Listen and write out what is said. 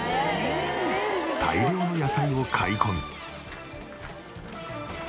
大量の野菜を買い込み。